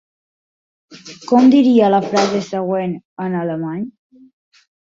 Com diria la frase següent en alemany?